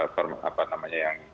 ke apa namanya yang